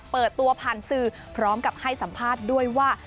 เปิดตัวผ่านสื่อพร้อมกับให้สัมภาษณ์ด้วยว่า